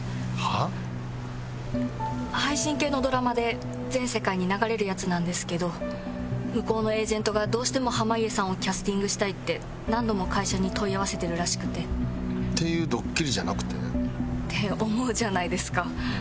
配信系のドラマで全世界に流れるやつなんですけど向こうのエージェントがどうしても濱家さんをキャスティングしたいって何度も会社に問い合わせてるらしくて。っていうドッキリじゃなくて？って思うじゃないですか。